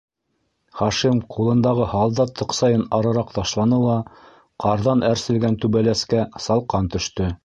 Хашим, ҡулындағы һалдат тоҡсайын арыраҡ ташланы ла ҡарҙан әрселгән түбәләскә салҡан төштө.